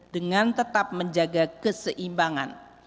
dengan tetap menjaga keseimbangan